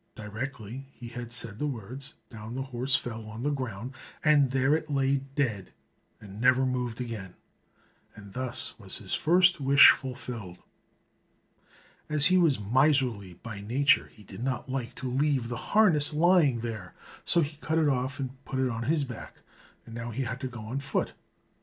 Directly he had said the words, down the horse fell on the ground, and there it lay dead and never moved again. And thus was his first wish fulfilled. As he was miserly by nature, he did not like to leave the harness lying there; so he cut it off, and put it on his back; and now he had to go on foot.